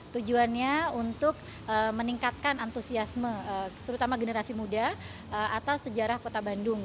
tujuannya untuk meningkatkan antusiasme terutama generasi muda atas sejarah kota bandung